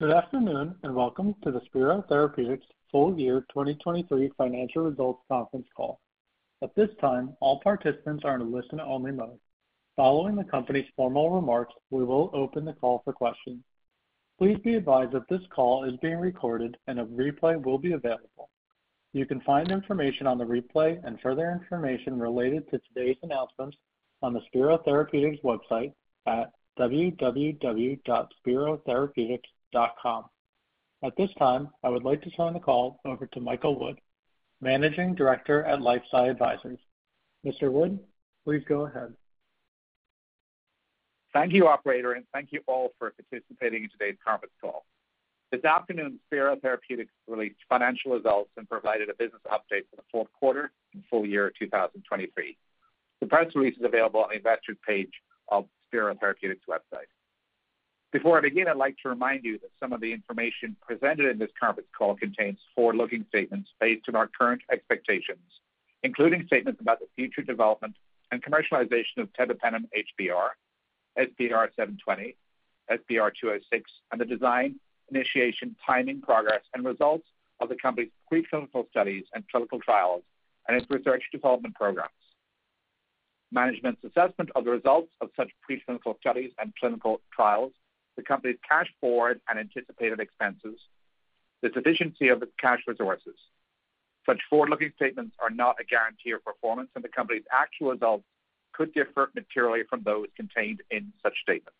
Good afternoon and welcome to the Spero Therapeutics Full-Year 2023 Financial Results Conference Call. At this time, all participants are in a listen-only mode. Following the company's formal remarks, we will open the call for questions. Please be advised that this call is being recorded and a replay will be available. You can find information on the replay and further information related to today's announcements on the Spero Therapeutics website at www.sperotherapeutics.com. At this time, I would like to turn the call over to Michael Wood, Managing Director at LifeSci Advisors. Mr. Wood, please go ahead. Thank you, operator, and thank you all for participating in today's conference call. This afternoon, Spero Therapeutics released financial results and provided a business update for the fourth quarter and full year 2023. The press release is available on the investors' page of the Spero Therapeutics website. Before I begin, I'd like to remind you that some of the information presented in this conference call contains forward-looking statements based on our current expectations, including statements about the future development and commercialization of tebipenem HBr, SPR720, SPR206, and the design, initiation, timing, progress, and results of the company's preclinical studies and clinical trials and its research development programs. Management's assessment of the results of such preclinical studies and clinical trials, the company's cash forward and anticipated expenses, the deficiency of its cash resources, such forward-looking statements are not a guarantee of performance, and the company's actual results could differ materially from those contained in such statements.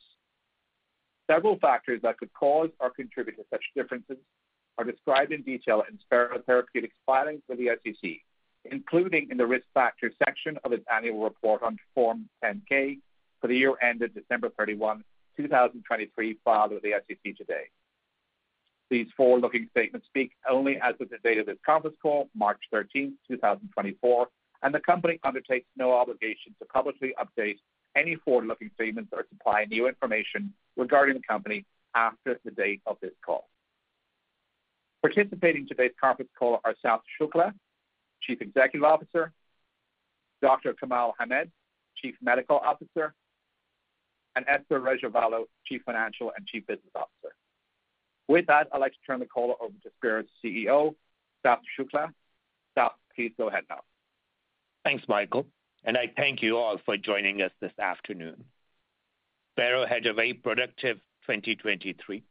Several factors that could cause or contribute to such differences are described in detail in Spero Therapeutics' filings with the SEC, including in the risk factors section of its annual report on Form 10-K for the year ended December 31, 2023, filed with the SEC today. These forward-looking statements speak only as of the date of this conference call, March 13, 2024, and the company undertakes no obligation to publicly update any forward-looking statements or supply new information regarding the company after the date of this call. Participating in today's conference call are Sath Shukla, Chief Executive Officer, Dr. Kamal Hamed, Chief Medical Officer, and Esther Rajavelu, Chief Financial and Chief Business Officer. With that, I'd like to turn the call over to Spero's CEO, Sath Shukla. Sath, please go ahead now. Thanks, Michael, and I thank you all for joining us this afternoon. Spero had a very productive 2023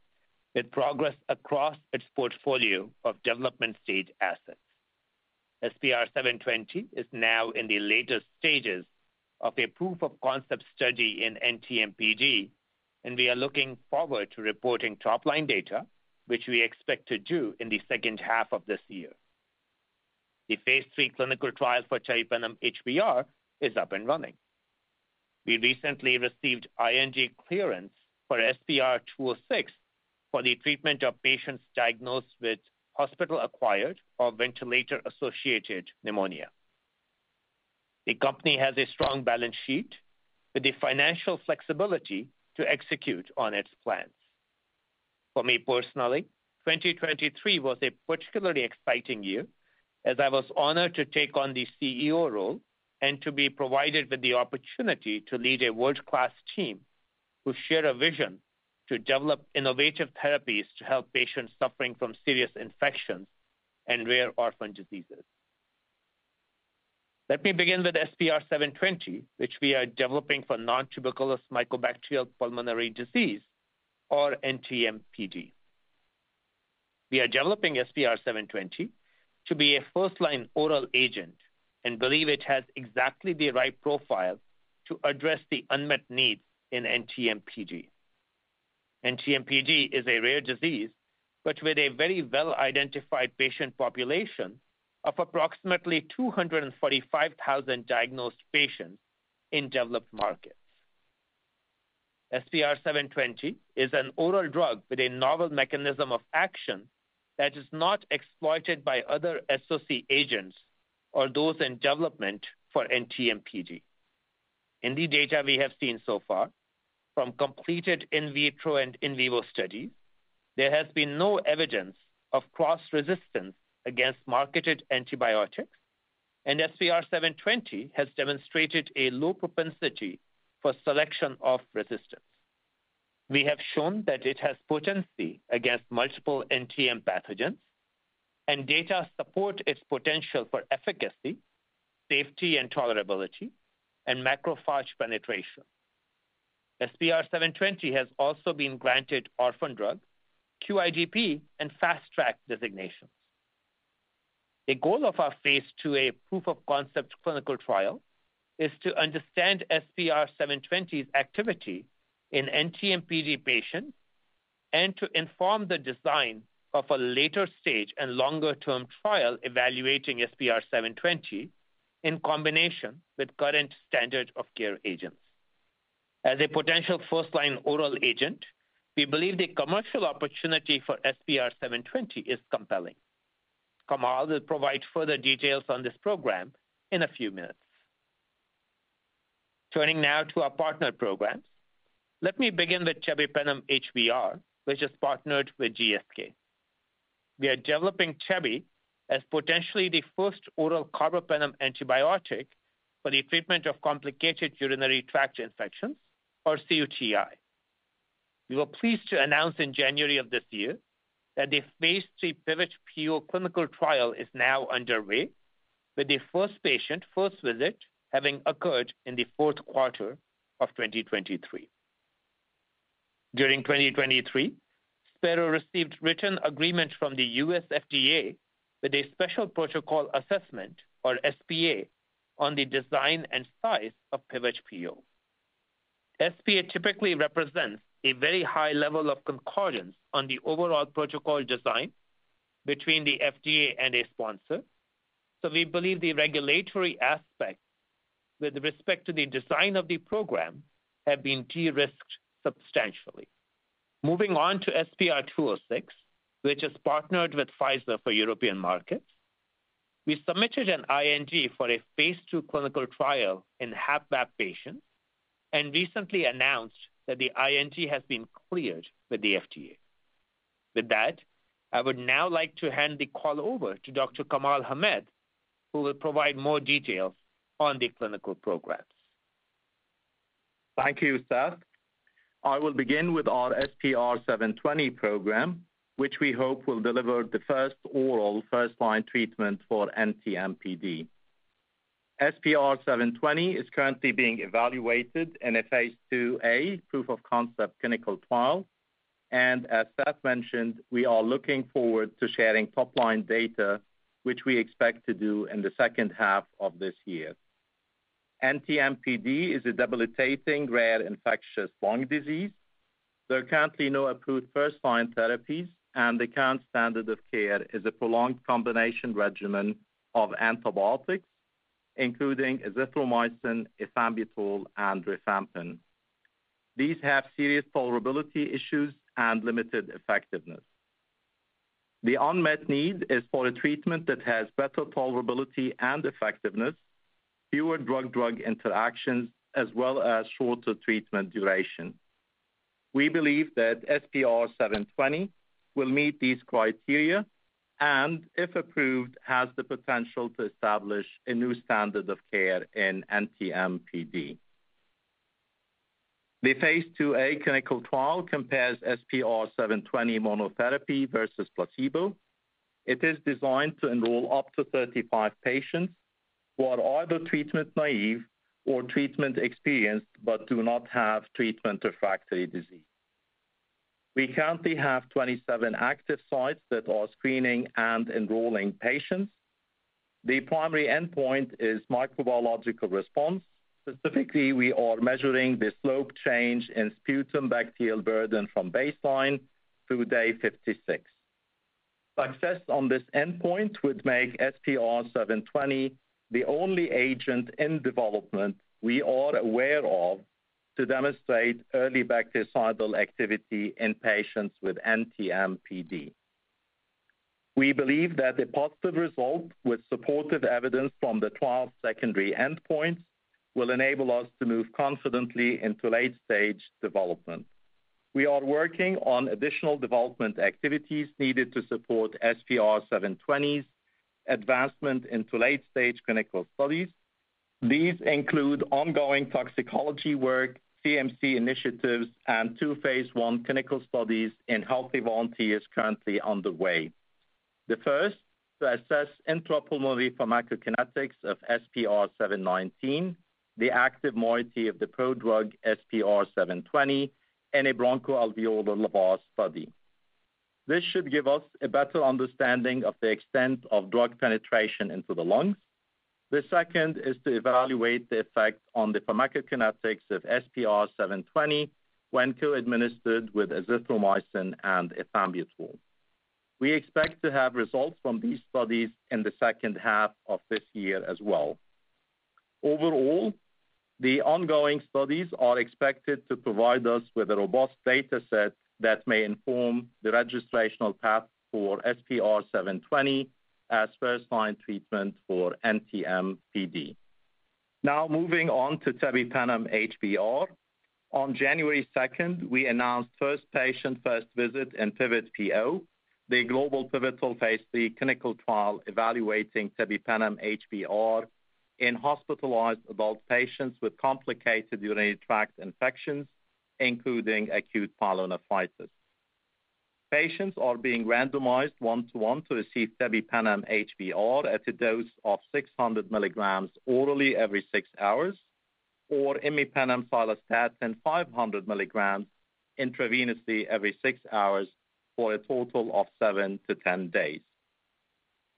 with progress across its portfolio of development-stage assets. SPR720 is now in the latest stages of a proof-of-concept study in NTM-PD, and we are looking forward to reporting top-line data, which we expect to do in the second half of this year. The phase III clinical trial for tebipenem HBr is up and running. We recently received IND clearance for SPR206 for the treatment of patients diagnosed with hospital-acquired or ventilator-associated pneumonia. The company has a strong balance sheet with the financial flexibility to execute on its plans. For me personally, 2023 was a particularly exciting year as I was honored to take on the CEO role and to be provided with the opportunity to lead a world-class team who share a vision to develop innovative therapies to help patients suffering from serious infections and rare orphan diseases. Let me begin with SPR720, which we are developing for nontuberculous mycobacterial pulmonary disease, or NTM-PD. We are developing SPR720 to be a first-line oral agent and believe it has exactly the right profile to address the unmet needs in NTM-PD. NTM-PD is a rare disease, but with a very well-identified patient population of approximately 245,000 diagnosed patients in developed markets. SPR720 is an oral drug with a novel mechanism of action that is not exploited by other associate agents or those in development for NTM-PD. In the data we have seen so far, from completed in vitro and in vivo studies, there has been no evidence of cross-resistance against marketed antibiotics, and SPR720 has demonstrated a low propensity for selection of resistance. We have shown that it has potency against multiple NTM pathogens, and data support its potential for efficacy, safety and tolerability, and macrophage penetration. SPR720 has also been granted orphan drug, QIDP, and fast-track designations. The goal of our phase IIA proof-of-concept clinical trial is to understand SPR720's activity in NTM-PD patients and to inform the design of a later-stage and longer-term trial evaluating SPR720 in combination with current standard-of-care agents. As a potential first-line oral agent, we believe the commercial opportunity for SPR720 is compelling. Kamal will provide further details on this program in a few minutes. Turning now to our partner programs, let me begin with tebipenem HBr, which is partnered with GSK. We are developing Tebi as potentially the first oral carbapenem antibiotic for the treatment of complicated urinary tract infections, or cUTI. We were pleased to announce in January of this year that the Phase III PIVOT-PO clinical trial is now underway, with the first patient first visit having occurred in the fourth quarter of 2023. During 2023, Spero received written agreement from the U.S. FDA with a special protocol assessment, or SPA, on the design and size of PIVOT-PO. SPA typically represents a very high level of concordance on the overall protocol design between the FDA and a sponsor, so we believe the regulatory aspects with respect to the design of the program have been de-risked substantially. Moving on to SPR206, which is partnered with Pfizer for European markets, we submitted an IND for a phase II clinical trial in HAP/VAP patients and recently announced that the IND has been cleared with the FDA. With that, I would now like to hand the call over to Dr. Kamal Hamed, who will provide more details on the clinical programs. Thank you, Sath. I will begin with our SPR720 program, which we hope will deliver the first oral first-line treatment for NTM-PD. SPR720 is currently being evaluated in a phase IIA proof-of-concept clinical trial, and as Sath mentioned, we are looking forward to sharing top-line data, which we expect to do in the second half of this year. NTM-PD is a debilitating rare infectious lung disease. There are currently no approved first-line therapies, and the current standard of care is a prolonged combination regimen of antibiotics, including azithromycin, ethambutol, and rifampin. These have serious tolerability issues and limited effectiveness. The unmet need is for a treatment that has better tolerability and effectiveness, fewer drug-drug interactions, as well as shorter treatment duration. We believe that SPR720 will meet these criteria and, if approved, has the potential to establish a new standard of care in NTM-PD. The phase IIA clinical trial compares SPR720 monotherapy versus placebo. It is designed to enroll up to 35 patients who are either treatment naive or treatment experienced but do not have treatment-refractory disease. We currently have 27 active sites that are screening and enrolling patients. The primary endpoint is microbiological response. Specifically, we are measuring the slope change in sputum bacterial burden from baseline through day 56. Success on this endpoint would make SPR720 the only agent in development we are aware of to demonstrate early bactericidal activity in patients with NTM-PD. We believe that a positive result with supportive evidence from the 12 secondary endpoints will enable us to move confidently into late-stage development. We are working on additional development activities needed to support SPR720's advancement into late-stage clinical studies. These include ongoing toxicology work, CMC initiatives, and two phase I clinical studies in healthy volunteers currently underway. The first, to assess intrapulmonary pharmacokinetics of SPR719, the active moiety of the prodrug SPR720, and a bronchoalveolar lavage study. This should give us a better understanding of the extent of drug penetration into the lungs. The second is to evaluate the effect on the pharmacokinetics of SPR720 when co-administered with azithromycin and ethambutol. We expect to have results from these studies in the second half of this year as well. Overall, the ongoing studies are expected to provide us with a robust dataset that may inform the registrational path for SPR720 as first-line treatment for NTM-PD. Now moving on to tebipenem HBr. On January 2, we announced first patient first visit in PIVOT-PO, the global pivotal phase III clinical trial evaluating tebipenem HBr in hospitalized adult patients with complicated urinary tract infections, including acute pyelonephritis. Patients are being randomized 1-to-1 to receive tebipenem HBr at a dose of 600 milligrams orally every six hours or imipenem/cilastatin 500 milligrams intravenously every six hours for a total of 7-10 days.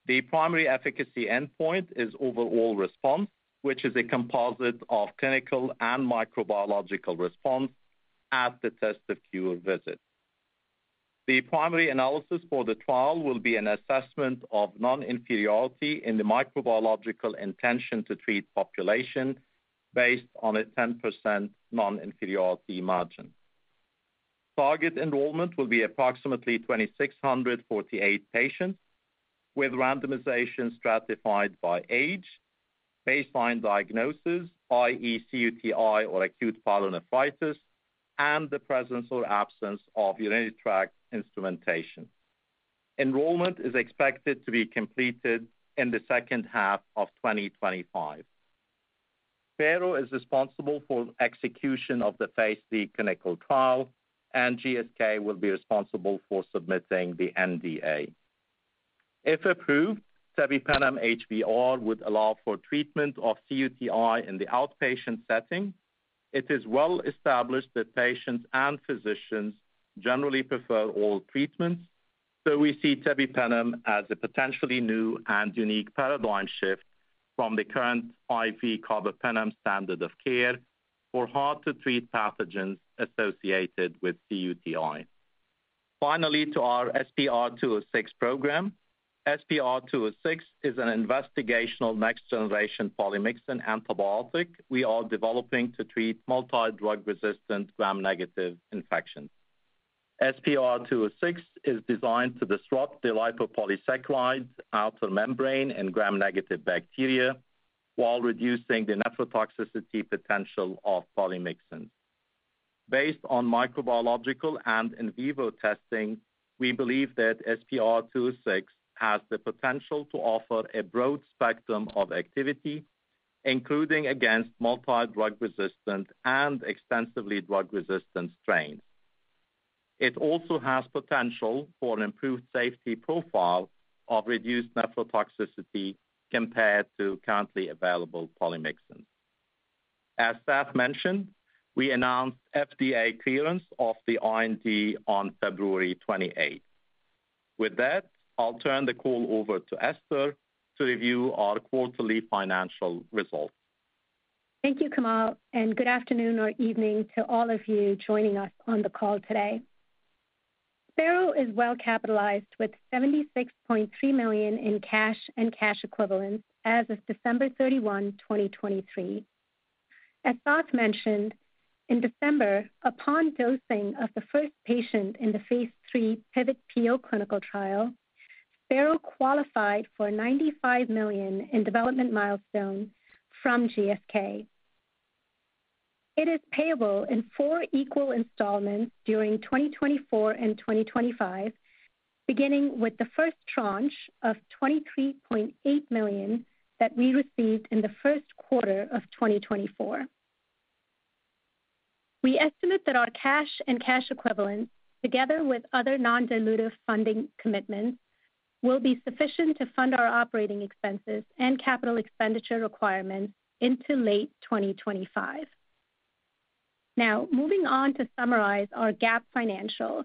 The primary efficacy endpoint is overall response, which is a composite of clinical and microbiological response at the test-of-cure visit. The primary analysis for the trial will be an assessment of non-inferiority in the microbiological intention-to-treat population based on a 10% non-inferiority margin. Target enrollment will be approximately 2,648 patients with randomization stratified by age, baseline diagnosis, i.e., cUTI or acute pyelonephritis, and the presence or absence of urinary tract instrumentation. Enrollment is expected to be completed in the second half of 2025. Spero is responsible for execution of the phase III clinical trial, and GSK will be responsible for submitting the NDA. If approved, tebipenem HBr would allow for treatment of cUTI in the outpatient setting. It is well established that patients and physicians generally prefer oral treatments, so we see tebipenem as a potentially new and unique paradigm shift from the current IV carbapenem standard of care for hard-to-treat pathogens associated with cUTI. Finally, to our SPR206 program, SPR206 is an investigational next-generation polymyxin antibiotic we are developing to treat multi-drug-resistant Gram-negative infections. SPR206 is designed to disrupt the lipopolysaccharide outer membrane in Gram-negative bacteria while reducing the nephrotoxicity potential of polymyxins. Based on microbiological and in vivo testing, we believe that SPR206 has the potential to offer a broad spectrum of activity, including against multi-drug-resistant and extensively drug-resistant strains. It also has potential for an improved safety profile of reduced nephrotoxicity compared to currently available polymyxins. As Sath mentioned, we announced FDA clearance of the IND on February 28. With that, I'll turn the call over to Esther to review our quarterly financial results. Thank you, Kamal, and good afternoon or evening to all of you joining us on the call today. Spero is well capitalized with $76.3 million in cash and cash equivalents as of December 31, 2023. As Sath mentioned, in December, upon dosing of the first patient in the phase III PIVOT-PO clinical trial, Spero qualified for $95 million in development milestone from GSK. It is payable in four equal installments during 2024 and 2025, beginning with the first tranche of $23.8 million that we received in the first quarter of 2024. We estimate that our cash and cash equivalents, together with other non-dilutive funding commitments, will be sufficient to fund our operating expenses and capital expenditure requirements into late 2025. Now, moving on to summarize our GAAP financials.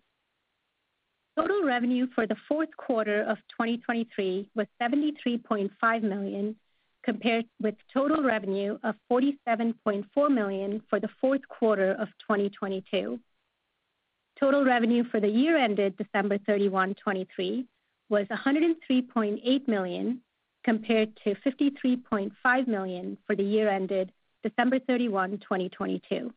Total revenue for the fourth quarter of 2023 was $73.5 million compared with total revenue of $47.4 million for the fourth quarter of 2022. Total revenue for the year ended December 31, 2023, was $103.8 million compared to $53.5 million for the year ended December 31, 2022.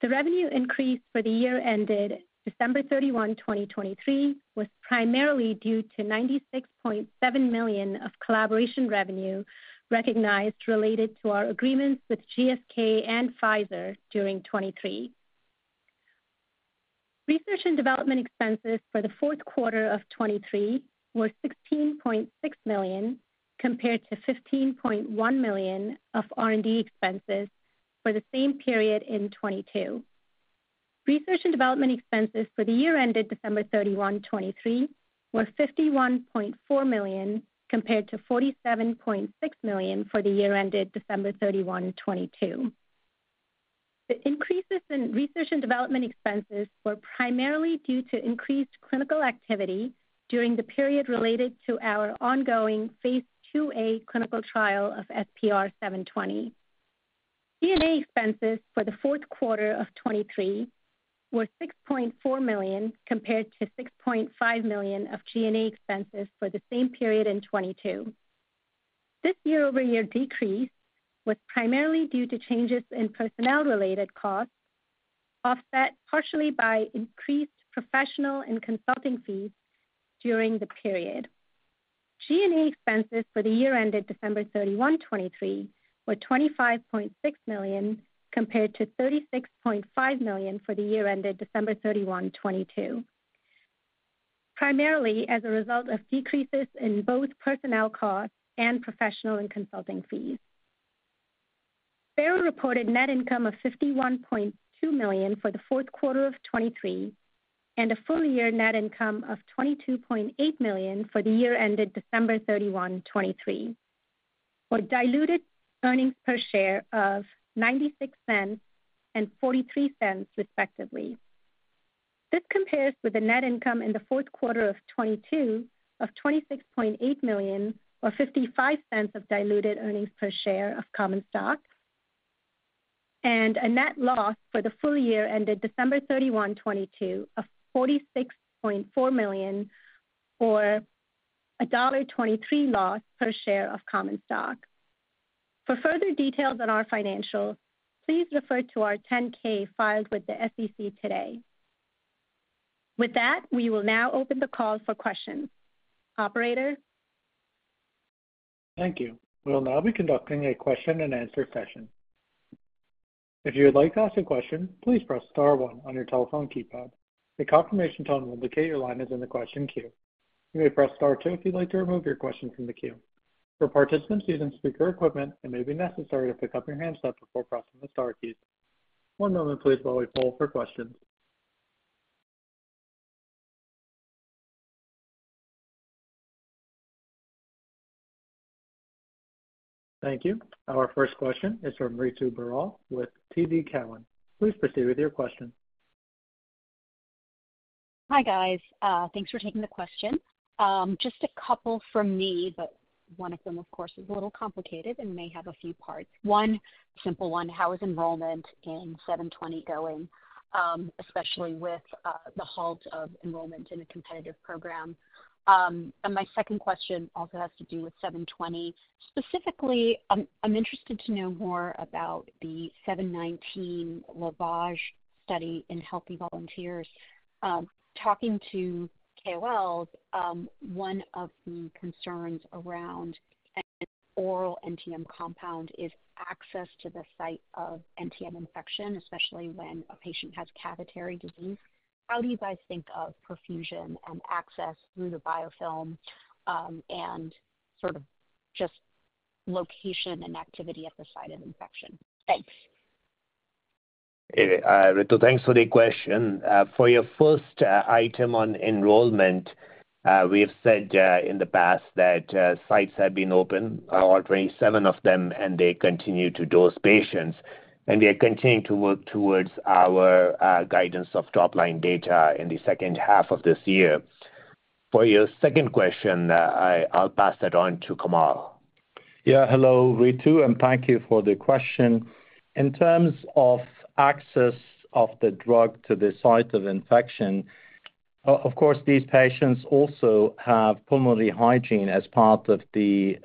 The revenue increase for the year ended December 31, 2023, was primarily due to $96.7 million of collaboration revenue recognized related to our agreements with GSK and Pfizer during 2023. Research and development expenses for the fourth quarter of 2023 were $16.6 million compared to $15.1 million of R&D expenses for the same period in 2022. Research and development expenses for the year ended December 31, 2023, were $51.4 million compared to $47.6 million for the year ended December 31, 2022. The increases in research and development expenses were primarily due to increased clinical activity during the period related to our ongoing phase IIA clinical trial of SPR720. G&A expenses for the fourth quarter of 2023 were $6.4 million compared to $6.5 million of G&A expenses for the same period in 2022. This year-over-year decrease was primarily due to changes in personnel-related costs, offset partially by increased professional and consulting fees during the period. G&A expenses for the year ended December 31, 2023, were $25.6 million compared to $36.5 million for the year ended December 31, 2022, primarily as a result of decreases in both personnel costs and professional and consulting fees. Spero reported net income of $51.2 million for the fourth quarter of 2023 and a full-year net income of $22.8 million for the year ended December 31, 2023, or diluted earnings per share of 0.96 and 0.43, respectively. This compares with the net income in the fourth quarter of 2022 of $26.8 million or 0.55 of diluted earnings per share of common stock, and a net loss for the full-year ended December 31, 2022, of $46.4 million or $1.23 loss per share of common stock. For further details on our financials, please refer to our 10-K filed with the SEC today. With that, we will now open the call for questions. Operator. Thank you. We will now be conducting a question-and-answer session. If you would like to ask a question, please press star one on your telephone keypad. The confirmation tone will indicate your line is in the question queue. You may press star two if you'd like to remove your question from the queue. For participants using speaker equipment, it may be necessary to pick up your handset before pressing the star keys. One moment, please, while we pull for questions. Thank you. Our first question is from Ritu Baral with TD Cowen. Please proceed with your question. Hi, guys. Thanks for taking the question. Just a couple from me, but one of them, of course, is a little complicated and may have a few parts. One, simple one: how is enrollment in 720 going, especially with the halt of enrollment in a competitive program? And my second question also has to do with 720. Specifically, I'm interested to know more about the 719 lavage study in healthy volunteers. Talking to KOLs, one of the concerns around an oral NTM compound is access to the site of NTM infection, especially when a patient has cavitary disease. How do you guys think of perfusion and access through the biofilm and sort of just location and activity at the site of infection? Thanks. Ritu, thanks for the question. For your first item on enrollment, we have said in the past that sites have been open, all 27 of them, and they continue to dose patients. And we are continuing to work towards our guidance of top-line data in the second half of this year. For your second question, I'll pass that on to Kamal. Yeah, hello, Ritu, and thank you for the question. In terms of access of the drug to the site of infection, of course, these patients also have pulmonary hygiene as part of the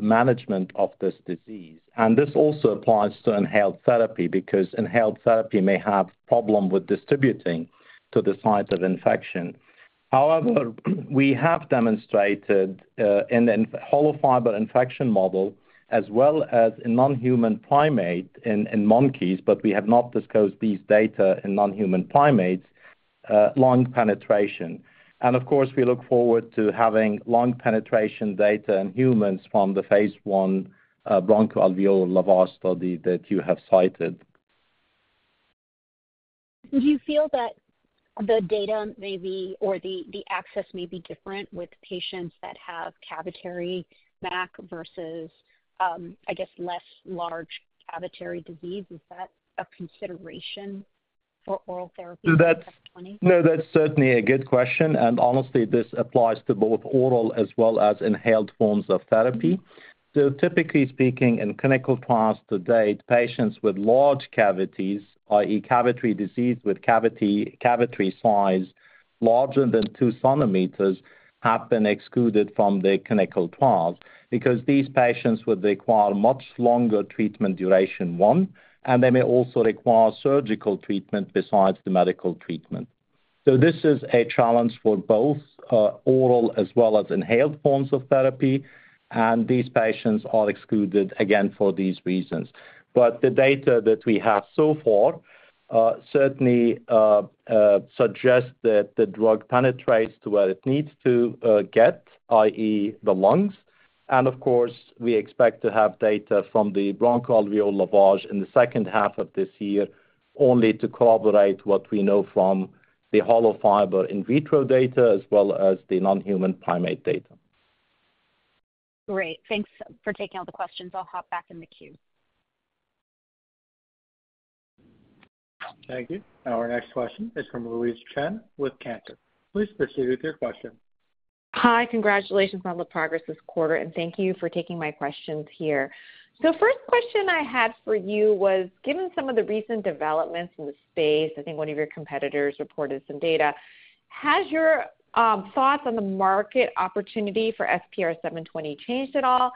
management of this disease. And this also applies to inhaled therapy because inhaled therapy may have a problem with distributing to the site of infection. However, we have demonstrated in the hollow fiber infection model, as well as in non-human primate in monkeys, but we have not disclosed these data in non-human primates, lung penetration. And of course, we look forward to having lung penetration data in humans from the phase I bronchoalveolar lavage study that you have cited. Do you feel that the data may be or the access may be different with patients that have cavitary MAC versus, I guess, less large cavitary disease? Is that a consideration for oral therapy in 720? No, that's certainly a good question. Honestly, this applies to both oral as well as inhaled forms of therapy. Typically speaking, in clinical trials to date, patients with large cavities, i.e., cavitary disease with cavity size larger than 2 cm, have been excluded from the clinical trials because these patients would require much longer treatment duration, one, and they may also require surgical treatment besides the medical treatment. This is a challenge for both oral as well as inhaled forms of therapy. These patients are excluded, again, for these reasons. The data that we have so far certainly suggests that the drug penetrates to where it needs to get, i.e., the lungs. Of course, we expect to have data from the bronchoalveolar lavage in the second half of this year only to corroborate what we know from the hollow fiber in vitro data as well as the non-human primate data. Great. Thanks for taking all the questions. I'll hop back in the queue. Thank you. Our next question is from Louise Chen with Cantor. Please proceed with your question. Hi. Congratulations on the progress this quarter, and thank you for taking my questions here. So first question I had for you was, given some of the recent developments in the space, I think one of your competitors reported some data, has your thoughts on the market opportunity for SPR720 changed at all?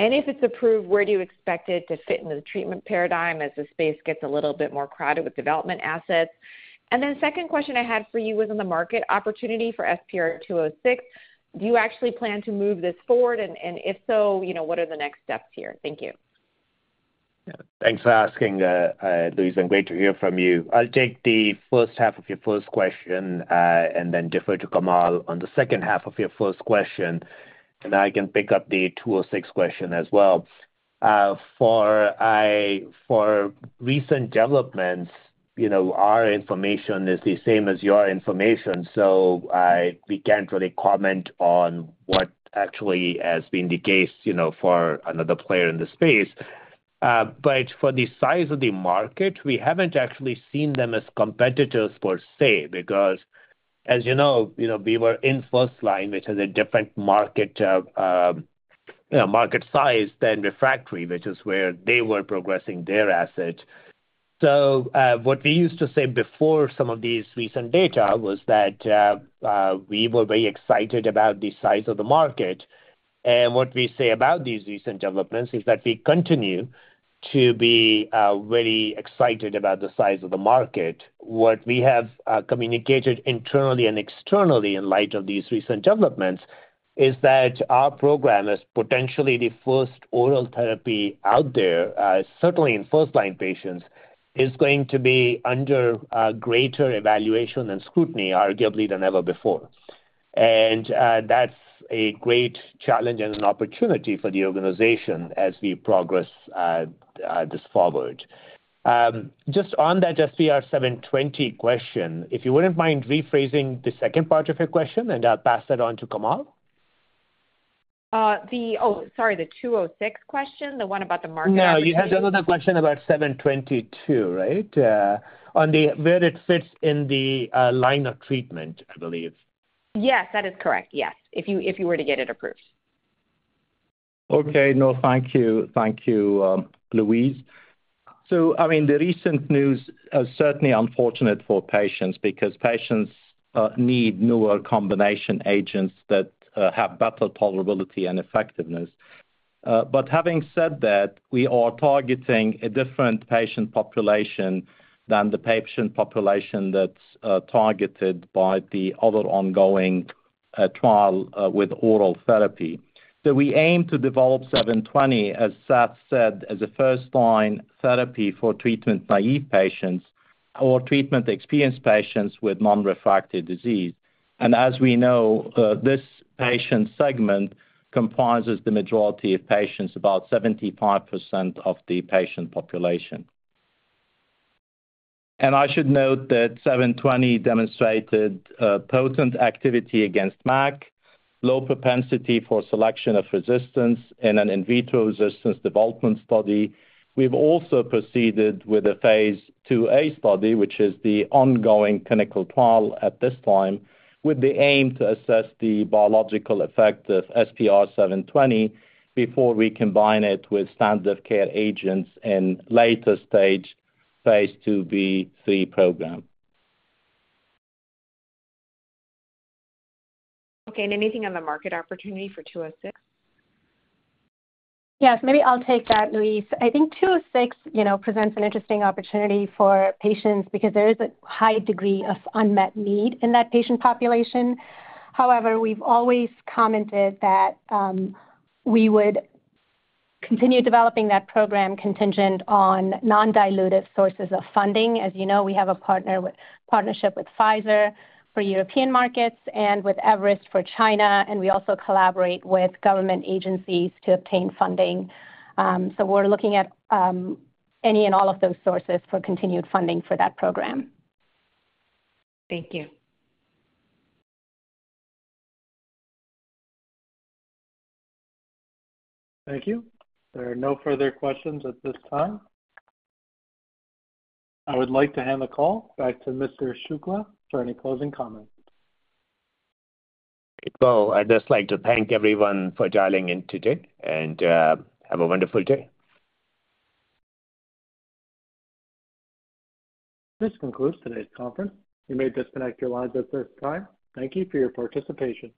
And if it's approved, where do you expect it to fit in the treatment paradigm as the space gets a little bit more crowded with development assets? And then second question I had for you was on the market opportunity for SPR206. Do you actually plan to move this forward? And if so, what are the next steps here? Thank you. Thanks for asking, Louise. I'm glad to hear from you. I'll take the first half of your first question and then defer to Kamal on the second half of your first question. I can pick up the 206 question as well. For recent developments, our information is the same as your information, so we can't really comment on what actually has been the case for another player in the space. For the size of the market, we haven't actually seen them as competitors per se because, as you know, we were in First Line, which has a different market size than Refractory, which is where they were progressing their assets. What we used to say before some of these recent data was that we were very excited about the size of the market. And what we say about these recent developments is that we continue to be very excited about the size of the market. What we have communicated internally and externally in light of these recent developments is that our program, as potentially the first oral therapy out there, certainly in First Line patients, is going to be under greater evaluation and scrutiny, arguably than ever before. And that's a great challenge and an opportunity for the organization as we progress this forward. Just on that SPR720 question, if you wouldn't mind rephrasing the second part of your question, and I'll pass that on to Kamal. Oh, sorry, the 206 question, the one about the market opportunity. No, you had another question about 722, right, on where it fits in the line of treatment, I believe. Yes, that is correct. Yes, if you were to get it approved. Okay. No, thank you. Thank you, Louise. So, I mean, the recent news is certainly unfortunate for patients because patients need newer combination agents that have better tolerability and effectiveness. But having said that, we are targeting a different patient population than the patient population that's targeted by the other ongoing trial with oral therapy. So we aim to develop 720, as Sath said, as a first-line therapy for treatment-naïve patients or treatment-experienced patients with non-refractory disease. And as we know, this patient segment comprises the majority of patients, about 75% of the patient population. And I should note that 720 demonstrated potent activity against MAC, low propensity for selection of resistance in an in vitro resistance development study. We've also proceeded with a phase IIA study, which is the ongoing clinical trial at this time, with the aim to assess the biological effect of SPR720 before we combine it with standard of care agents in later stage phase IIB3 program. Okay. And anything on the market opportunity for 206? Yes, maybe I'll take that, Louise. I think 206 presents an interesting opportunity for patients because there is a high degree of unmet need in that patient population. However, we've always commented that we would continue developing that program contingent on non-dilutive sources of funding. As you know, we have a partnership with Pfizer for European markets and with Everest for China. And we also collaborate with government agencies to obtain funding. So we're looking at any and all of those sources for continued funding for that program. Thank you. Thank you. There are no further questions at this time. I would like to hand the call back to Mr. Shukla for any closing comments. Well, I'd just like to thank everyone for dialing in today and have a wonderful day. This concludes today's conference. You may disconnect your lines at this time. Thank you for your participation.